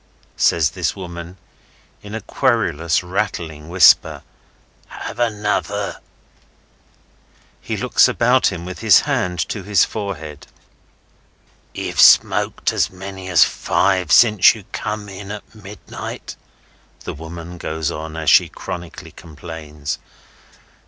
says this woman, in a querulous, rattling whisper. "Have another?" He looks about him, with his hand to his forehead. "Ye've smoked as many as five since ye come in at midnight," the woman goes on, as she chronically complains.